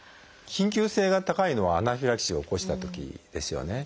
緊急性が高いのはアナフィラキシーを起こしたときですよね。